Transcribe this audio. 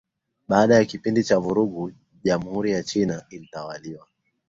Baada ya kipindi cha vurugu jamhuri ya China ilitawaliwa